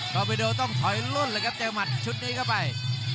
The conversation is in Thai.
อเบโดต้องถอยล่นเลยครับเจอหมัดชุดนี้เข้าไป